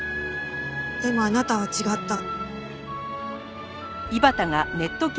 でもあなたは違った。